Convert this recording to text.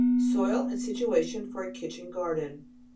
Soil and Situation for a Kitchen Garden.